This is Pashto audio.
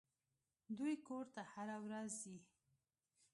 دوى کور ته هره ورځ ځي.